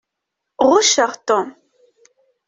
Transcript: Ɣucceɣ Tom.